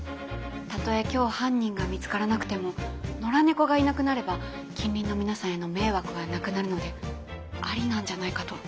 たとえ今日犯人が見つからなくても野良猫がいなくなれば近隣の皆さんへの迷惑はなくなるのでありなんじゃないかと。